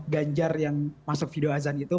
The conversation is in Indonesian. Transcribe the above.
ganjar yang masuk video azan itu